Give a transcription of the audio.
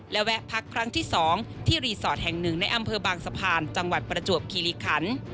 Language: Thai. และแวะพักครั้งที่๒ที่รีสอร์ทแห่งหนึ่งในอำเภอบางสะพานจังหวัดประจวบคิริขัน